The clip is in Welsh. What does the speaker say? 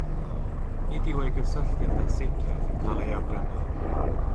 Nid yw ei gysylltiad â Siciaeth yn cael ei awgrymu.